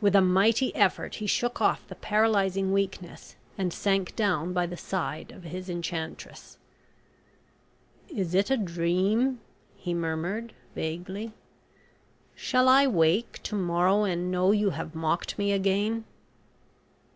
With a mighty effort he shook off the paralysing weakness, and sank down by the side of his enchantress. "Is it a dream?" he murmured, vaguely; "shall I wake to morrow and know you have mocked me again?"